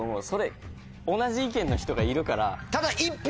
同じ意見の人がいるから。